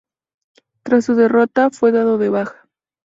Tras su derrota, fue dado de baja.